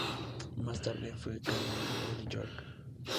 Más tarde fue canónigo de York.